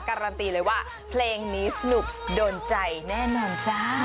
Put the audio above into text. การันตีเลยว่าเพลงนี้สนุกโดนใจแน่นอนจ้า